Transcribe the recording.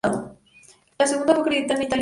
La segunda fue editada en Italia y Grecia.